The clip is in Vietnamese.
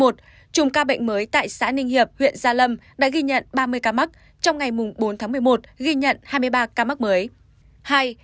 chùm ca bệnh mới tại xã ninh hiệp huyện gia lâm đã ghi nhận ba mươi ca mắc trong ngày bốn tháng một mươi một ghi nhận hai mươi ba ca mắc mới